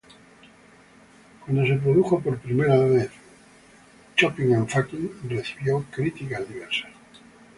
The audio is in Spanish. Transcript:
Cuando se produjo por primera vez, "Shopping and Fucking" recibió críticas diversas.